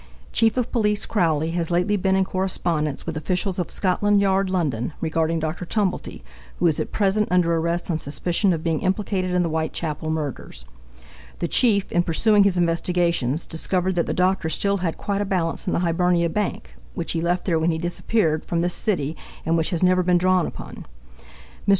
Chief of Police Crowly has lately been in correspondence with officials of Scotland Yard, London, regarding Dr. Tumblety, who is at present under arrest on suspicion of being implicated in the Whitechapel murders. The Chief, in pursuing his investigations, discovered that the doctor still had quite a balance in the Hibernia Bank, which he left there when he disappeared from this city, and which has never been drawn upon. Mr.